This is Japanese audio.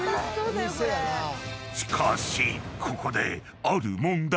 ［しかしここで］